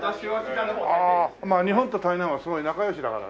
日本と台南はすごい仲良しだからね